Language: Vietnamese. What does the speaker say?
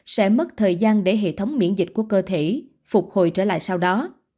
sẽ mất thời gian để hệ thống miễn dịch của cơ thể phục hồi trở lại sau đó